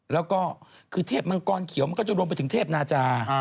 แล้วก็คือเทพมังกรเขียวมันก็จะรวมไปถึงเทพนาจา